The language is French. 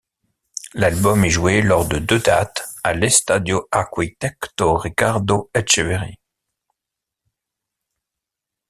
L'album est joué lors de deux dates à l'Estadio Arquitecto Ricardo Etcheverri.